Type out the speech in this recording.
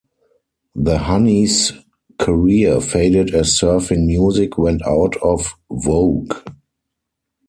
The Honeys' career faded as surfing music went out of vogue.